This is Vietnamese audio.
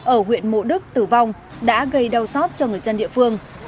ở huyện mộ đức tử vong đã gây đau xót cho người dân địa phương